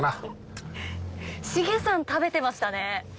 シゲさん食べてましたね！